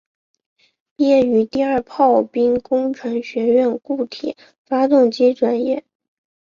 毕业于第二炮兵工程学院固体发动机专业。